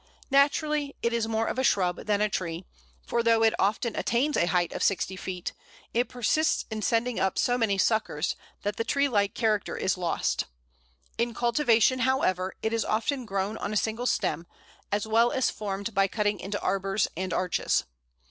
Naturally it is more of a shrub than a tree, for though it often attains a height of sixty feet, it persists in sending up so many suckers that the tree like character is lost. In cultivation, however, it is often grown on a single stem, as well as formed by cutting into arbours and arches.